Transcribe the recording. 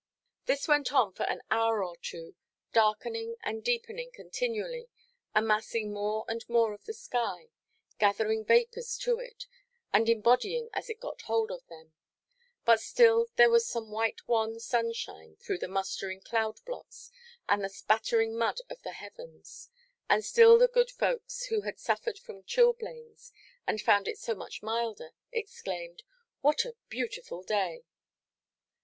This went on for an hour or two, darkening and deepening continually, amassing more and more of the sky, gathering vapours to it, and embodying as it got hold of them; but still there was some white wan sunshine through the mustering cloud–blots and the spattering mud of the heavens; and still the good folks who had suffered from chilblains, and found it so much milder, exclaimed, "What a beautiful day!"